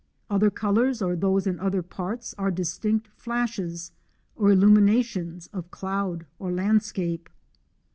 Other colours, or these in other parts, are dis tinct flushes or illuminations of cloud or landscape.